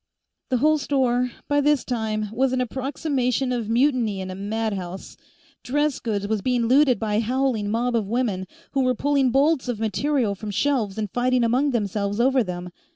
The whole store, by this time, was an approximation of Mutiny in a Madhouse. Dressgoods was being looted by a howling mob of women, who were pulling bolts of material from shelves and fighting among themselves over them.